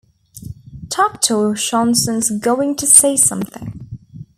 Toctor Shonson's going to say something'.